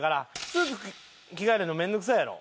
すぐ着替えるの面倒くさいやろ？